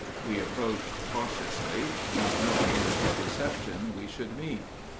We approached cautiously, not knowing with what reception we should meet.